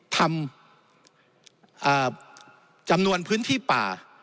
ทำจำนวนพื้นที่ป่า